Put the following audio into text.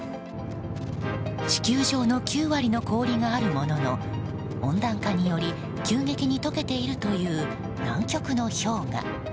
地球上の９割の氷があるものの温暖化により急激に溶けているという南極の氷河。